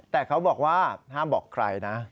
แต่เขาบอกว่าห้ามบอกใครนะ